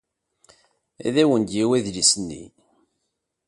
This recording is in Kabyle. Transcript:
Ad awen-d-yawi adlis-nni.